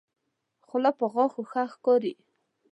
خله په غاښو ښه ښکاري.